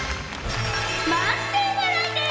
満点笑いです！